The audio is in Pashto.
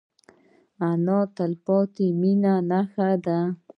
انا د تلپاتې مینې نښه ده